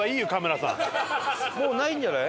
もうないんじゃない？